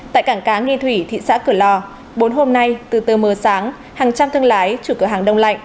tại cảng cá nghi thủy thị xã cửa lò bốn hôm nay từ tờ mờ sáng hàng trăm thương lái chủ cửa hàng đông lạnh